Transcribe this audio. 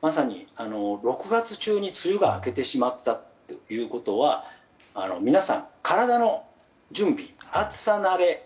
まさに、６月中に梅雨が明けてしまったということは皆さん、体の準備暑さ慣れ。